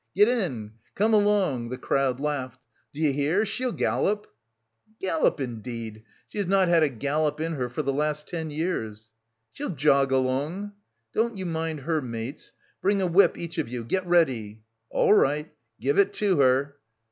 "Get in! Come along!" The crowd laughed. "D'you hear, she'll gallop!" "Gallop indeed! She has not had a gallop in her for the last ten years!" "She'll jog along!" "Don't you mind her, mates, bring a whip each of you, get ready!" "All right! Give it to her!"